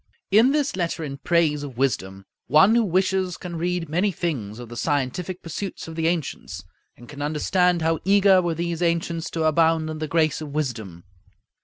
In this letter in praise of wisdom, one who wishes can read many things of the scientific pursuits of the ancients, and can understand how eager were these ancients to abound in the grace of wisdom.